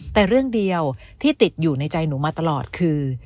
แต่เรื่องเดียวที่ติดอยู่ในใจหนูมาตลอดคือ